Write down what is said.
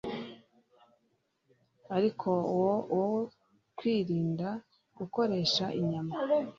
ari wo wo kwirinda gukoresha inyama